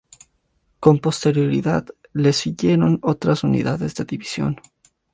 Con posterioridad les siguieron otras unidades de la división.